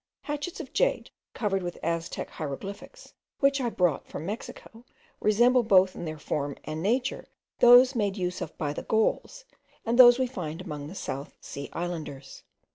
Hatchets of jade, covered with Aztec hieroglyphics, which I brought from Mexico, resemble both in their form and nature those made use of by the Gauls, and those we find among the South Sea islanders.